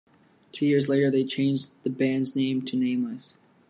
Two years later they changed the band's name to Nameless.